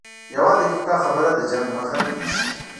یوه دقیقه خبره د جنګ مخه نیسي